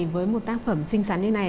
với một tác phẩm xinh xắn như thế này